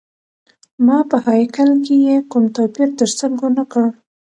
ما په هیکل کي یې کوم توپیر تر سترګو نه کړ.